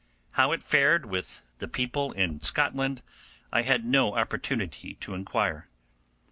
How it fared with the people in Scotland I had no opportunity to inquire.